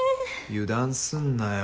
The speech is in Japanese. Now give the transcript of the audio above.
油断すんなよ。